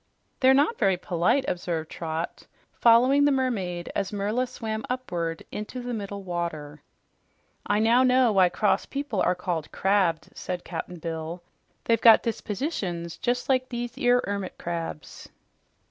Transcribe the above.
"They're not very polite," observed Trot, following the mermaid as Merla swam upward into the middle water. "I know now why cross people are called 'crabbed,'" said Cap'n Bill. "They've got dispositions jes' like these 'ere hermit crabs."